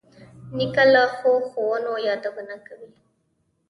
نیکه له ښو ښوونو یادونه کوي.